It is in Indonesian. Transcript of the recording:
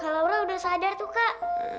kalaura udah sadar tuh kak